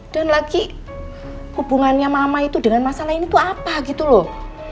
dan lagi hubungannya mama itu dengan masalah ini tuh apa gitu loh